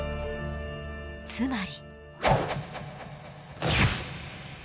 つまり。